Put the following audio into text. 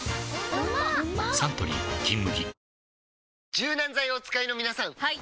柔軟剤をお使いの皆さんはい！